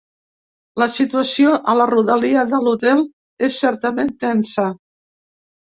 La situació a la rodalia de l’hotel és certament tensa.